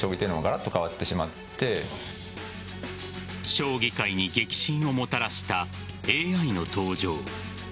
将棋界に激震をもたらしたＡＩの登場。